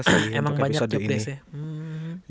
emang banyak juga biasanya